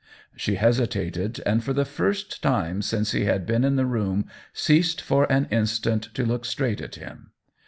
She hesitated, and for the first time since he had been in the room ceased for an in stant to look straight at him.